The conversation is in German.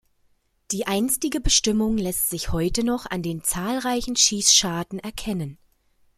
Die einstige Bestimmung lässt sich heute noch an den zahlreichen Schießscharten erkennen.